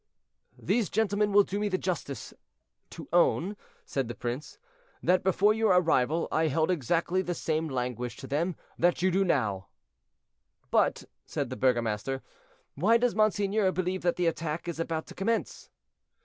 "These gentlemen will do me the justice to own," said the prince, "that before your arrival I held exactly the same language to them that you now do." "But," said the burgomaster, "why does monseigneur believe that the attack is about to commence?"